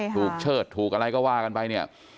ถูกเชิดถูกอะไรก็ว่ากันไป